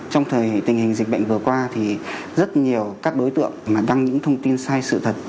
trong thời dịch bệnh vừa qua thì rất nhiều các đối tượng mà đăng những thông tin sai sự thật